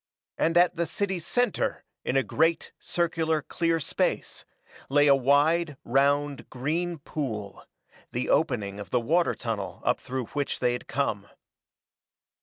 And at the city's center, in a great, circular, clear space, lay a wide, round, green pool the opening of the water tunnel up through which they had come.